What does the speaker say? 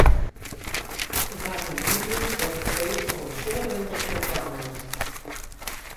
It waard him dúdlik dat it feest oan in soad regels foldwaan moast.